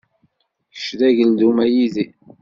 Kečč d ageldun, a Yidir.